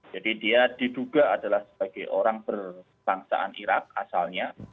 jadi dia diduga adalah sebagai orang perbangsaan iraq asalnya